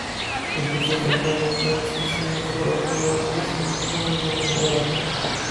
Ejerció acentuada influencia, no solo en el parlamento, sino en el gobierno en general.